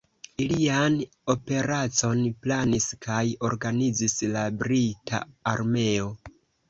Ilian operacon planis kaj organizis la brita armeo.